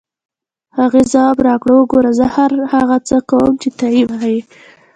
هغې ځواب راکړ: وګوره، زه هر هغه څه کوم چې ته یې وایې.